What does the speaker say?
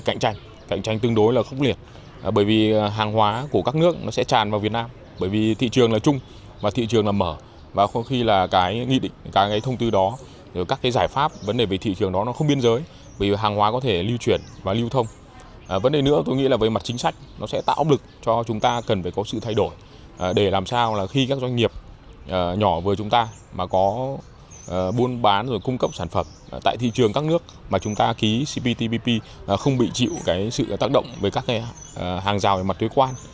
nhỏ với chúng ta mà có buôn bán rồi cung cấp sản phẩm tại thị trường các nước mà chúng ta ký cp tpp không bị chịu sự tác động với các hàng rào về mặt tuyết quan